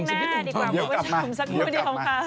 ช่วงแม่ดีกว่านุ่มคิดว่าช่วงสักครู่เดียวค่ะ